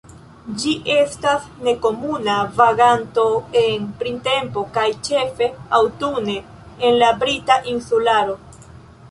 Ĝi estas nekomuna vaganto en printempo kaj ĉefe aŭtune en la Brita Insularo.